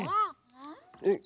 えっ。